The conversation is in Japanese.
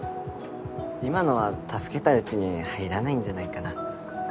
今のは助けたうちに入らないんじゃないかな。